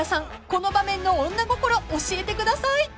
この場面の女心教えてください］